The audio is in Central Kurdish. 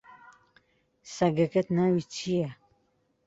سەگەکەت ناوی چییە؟